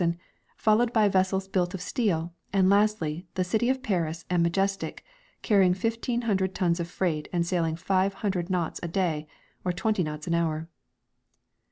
tion of I{;ricHSon, followed by vessels built of steel, and lastly the Citij of Pdris and Majestic, carrying fifteen hundred tons of freight and sailing five hundred knots a day or twenty knots an hour.